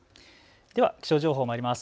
気象情報まいります。